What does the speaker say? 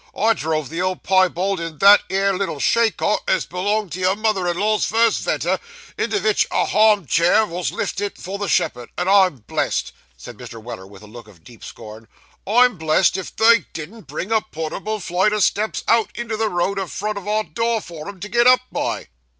'I drove the old piebald in that 'ere little chay cart as belonged to your mother in law's first wenter, into vich a harm cheer wos lifted for the shepherd; and I'm blessed,' said Mr. Weller, with a look of deep scorn 'I'm blessed if they didn't bring a portable flight o' steps out into the road a front o' our door for him, to get up by.